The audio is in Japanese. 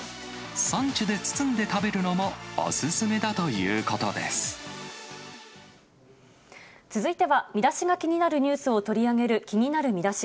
サンチュで包んで食べるのも続いては、ミダシが気になるニュースを取り上げる気になるミダシ。